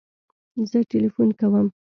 زه تلیفون کوم